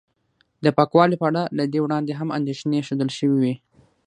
د پاکوالي په اړه له دې وړاندې هم اندېښنې ښودل شوې وې